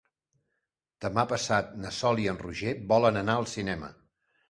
Demà passat na Sol i en Roger volen anar al cinema.